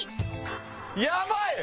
やばい！